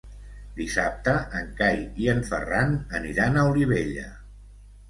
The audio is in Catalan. Dissabte en Cai i en Ferran aniran a Olivella.